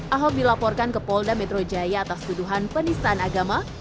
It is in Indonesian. ahok dilaporkan ke polda metro jaya atas tuduhan penistaan agama